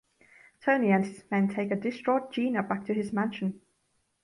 Tony and his men take a distraught Gina back to his mansion.